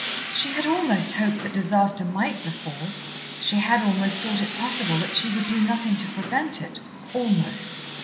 She had almost hoped that disaster might befall, she had almost thought it possible that she would do nothing to prevent it almost.